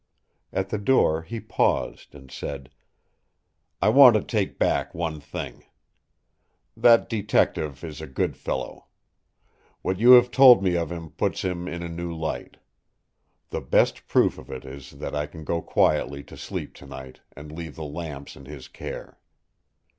At the door he paused and said: "I want to take back one thing. That Detective is a good fellow. What you have told me of him puts him in a new light. The best proof of it is that I can go quietly to sleep tonight, and leave the lamps in his care!"